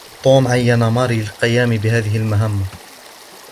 توم عين ماري للقيام بهذه المهمة